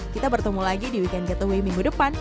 kita bertemu lagi di weekend getaway minggu depan